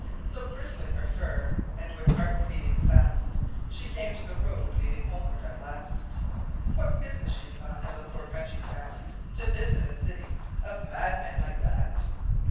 So bristling her fur, and with heart beating fast, She came to the road leading homeward at last. "What business," she thought, "has a poor country cat To visit a city of madmen like that?